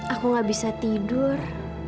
aku gak bisa tidur